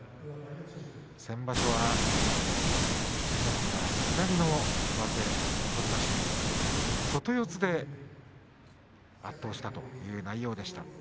先場所は照ノ富士が左の上手を取りまして外四つで圧倒したという内容でした。